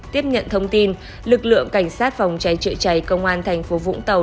tiếp nhận thông tin lực lượng cảnh sát phòng cháy chữa cháy công an thành phố vũng tàu